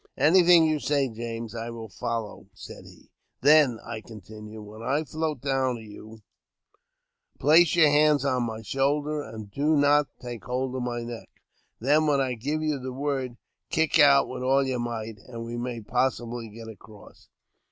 *' Anything you say, James, I will follow," said he. " Then," I continued, " when I float down to you, place your hands on my shoulder, and do not take hold of my neck. Then, when I give you the word, kick out with all your might, and we may possibly get across."